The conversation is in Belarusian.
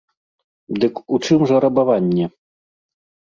Дык у чым жа рабаванне?